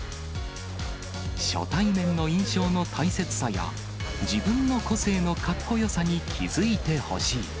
初対面の印象の大切さや、自分の個性のかっこよさに気付いてほしい。